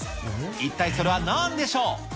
一体それはなんでしょう。